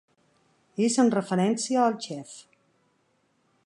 És en referència al xef.